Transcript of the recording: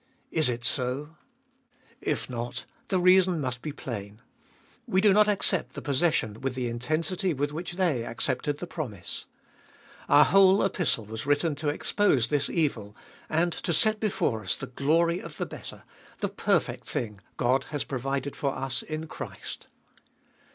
Is it so ? If not, the reason must be plain. We do not accept the possession with the intensity with which they accepted the promise. Our whole Epistle was written to expose this evil, and 476 Sbe Doliest of ZW to set before us the glory of the better, the perfect thing God has provided for us in Christ.